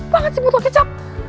banget sih botol kecap